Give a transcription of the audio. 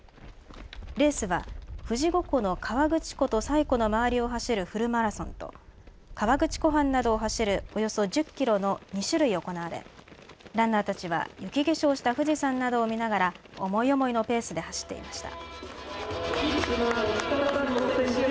レースは富士五湖の河口湖と西湖の周りを走るフルマラソンと、河口湖畔などを走るおよそ１０キロの２種類行われランナーたちは雪化粧した富士山などを見ながら思い思いのペースで走っていました。